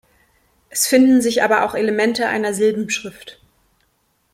Es finden sich aber auch Elemente einer Silbenschrift.